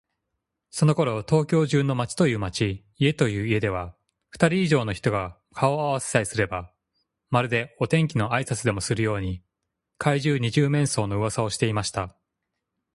そのころ、東京中の町という町、家という家では、ふたり以上の人が顔をあわせさえすれば、まるでお天気のあいさつでもするように、怪人「二十面相」のうわさをしていました。